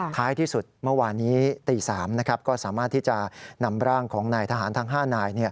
ท้ายที่สุดเมื่อวานนี้ตี๓ก็สามารถที่จะนำร่างของนายทหารทั้ง๕นาย